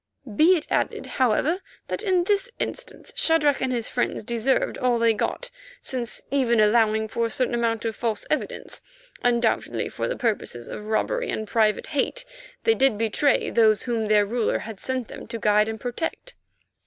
Be it added, however, that in this instance Shadrach and his friends deserved all they got, since, even allowing for a certain amount of false evidence, undoubtedly, for the purposes of robbery and private hate, they did betray those whom their ruler had sent them to guide and protect.